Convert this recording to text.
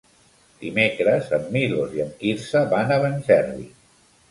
Dimecres en Milos i en Quirze van a Benferri.